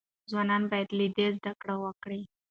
ځوانان باید له ده زده کړه وکړي.